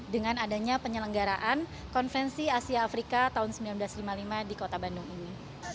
dengan adanya penyelenggaraan konvensi asia afrika tahun seribu sembilan ratus lima puluh lima di kota bandung ini